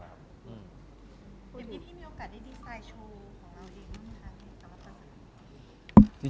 คุณที่มีโอกาสได้ดีใจโชว์ของเราดีหรือไม่คะ